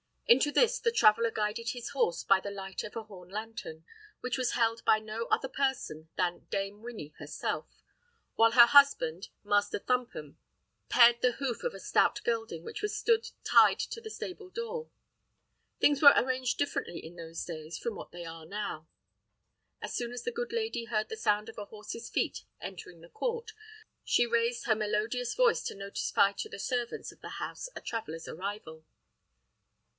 Into this the traveller guided his horse by the light of a horn lantern, which was held by no other person than Dame Winny herself, while her husband, Master Thumpum, pared the hoof of a stout gelding which stood tied to the stable door. Things were arranged differently in those days from what they are now. As soon as the good lady heard the sound of a horse's feet entering the court, she raised her melodious voice to notify to the servants of the house a traveller's arrival.